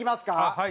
はい。